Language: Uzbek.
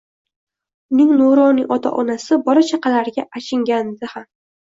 Uning nuroniy ota-onasi, bola-chaqalariga achingandim